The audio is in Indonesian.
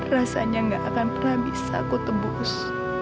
rasanya nggak akan pernah bisa aku tebus